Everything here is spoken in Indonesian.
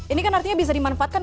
ini kan artinya bisa dimanfaatkan